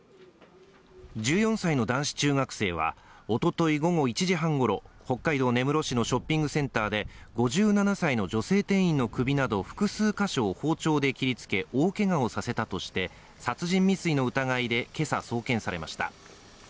１４歳の男子中学生は、おととい午後１時半ごろ、北海道根室市のショッピングセンターで５７歳の女性店員の首など複数カ所を包丁で切りつけ、大けがをさせたとして、殺人未遂の疑いで今朝、送検されました。